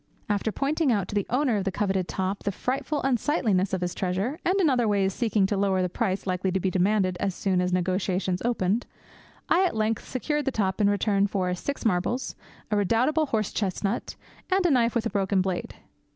After pointing out to the owner of the coveted top the frightful unsightliness of his treasure, and in other ways seeking to lower the price likely to be demanded as soon as negotiations opened, I at length secured the top in return for six marbles, a redoubtable horse chestnut, and a knife with a broken blade.